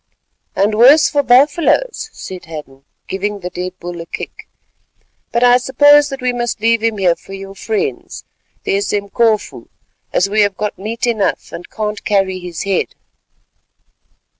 "And worse for buffaloes," said Hadden, giving the dead bull a kick, "but I suppose that we must leave him here for your friends, the Esemkofu, as we have got meat enough, and can't carry his head."